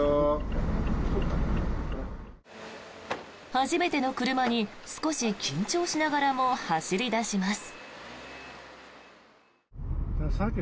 初めての車に少し緊張しながらも走り出します。